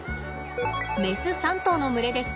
メス３頭の群れです。